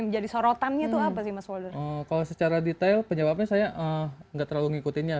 jadi sorotannya tuh apa sih mas wolder kalau secara detail penyebabnya saya agak terlalu ngikutinnya